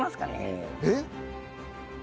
えっ？